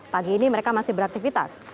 pagi ini mereka masih beraktivitas